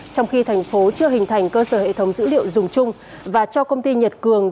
trong khi thành phố chưa hình thành cơ sở hệ thống dữ liệu dùng chung và cho công ty nhật cường